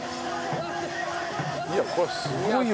いやこれすごいわ。